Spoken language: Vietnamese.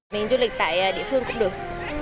mình du lịch tại địa phương cũng được